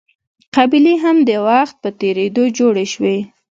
قبیلې هم د وخت په تېرېدو جوړې شوې.